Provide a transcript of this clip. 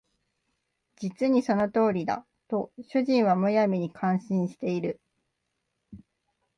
実にその通りだ」と主人は無闇に感心している